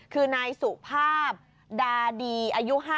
คือนายสุภาพดาดีอายุ๕๐